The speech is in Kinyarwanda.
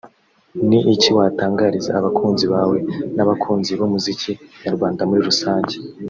Ni iki watangariza abakunzi bawe n’abakunzi b’umuziki nyarwanda muri Rusange